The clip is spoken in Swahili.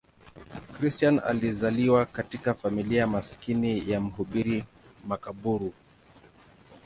Christian alizaliwa katika familia maskini ya mhubiri makaburu.